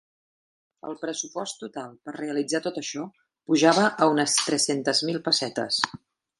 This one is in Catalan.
El pressupost total per realitzar tot això pujava a unes tres-centes mil pessetes.